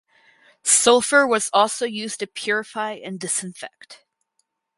Sulphur was also used to purify and disinfect.